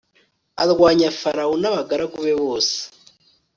arwanya farawo n'abagaragu be bose